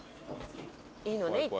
いいのね行って。